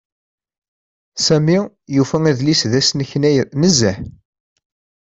Sami yufa adlis d asneknay nezzeh.